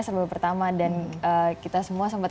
sesaat lagi dalam insight